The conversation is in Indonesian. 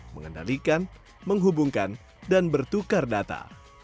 mengendalikan menghubungkan dan bertukar data